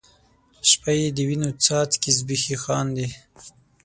شپه یې د وینو څاڅکي زبیښي خاندي